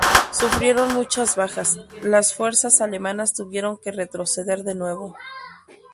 Sufriendo muchas bajas, las fuerzas alemanas tuvieron que retroceder de nuevo.